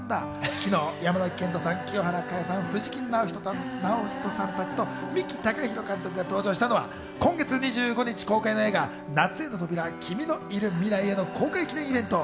昨日、山崎賢人さん、清原果耶さん、藤木直人さんたちと、三木孝浩監督が登場したのは、今月２５日公開の映画『夏への扉ーキミのいる未来へー』の公開記念イベント